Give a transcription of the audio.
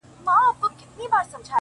سترگي يې توري _پر مخ يې ښكل كړه _